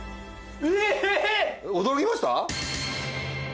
驚きました？